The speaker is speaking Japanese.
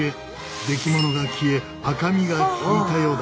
できものが消え赤みが引いたようだ。